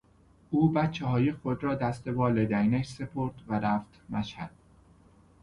او بچههای خود را دست والدینش سپرد و رفت مشهد.